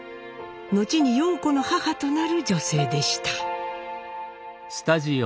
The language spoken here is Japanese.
後に陽子の母となる女性でした。